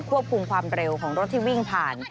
ควบคุมความเร็วของรถที่วิ่งผ่าน